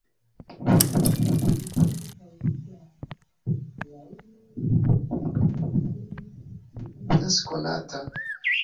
Ĉu li kiel ankaŭ siaj prauloj ankaŭ komponis, ne estas konata.